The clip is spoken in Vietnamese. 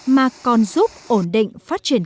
mà còn giúp ổn định phát triển